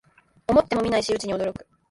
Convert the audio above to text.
思ってもみない仕打ちに驚く